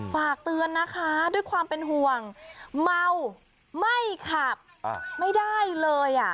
ฝากเตือนนะคะด้วยความเป็นห่วงเมาไม่ขับไม่ได้เลย